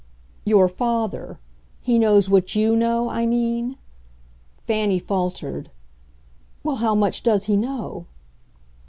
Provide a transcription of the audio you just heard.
"Your father. He knows what YOU know? I mean," Fanny faltered "well, how much does he know?"